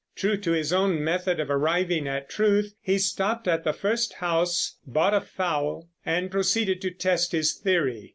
True to his own method of arriving at truth, he stopped at the first house, bought a fowl, and proceeded to test his theory.